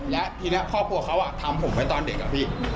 และทีนี้พ่อพวกเขาทำผมไปตอนเด็กกับพี่